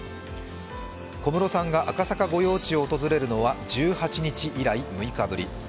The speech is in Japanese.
小室さんが赤坂御用地を訪れるのは１８日以来、６日ぶり。